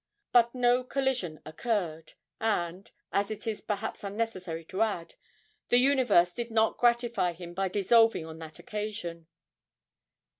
But no collision occurred, and (as it is perhaps unnecessary to add) the universe did not gratify him by dissolving on that occasion.